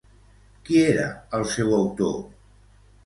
Qui era el seu autor?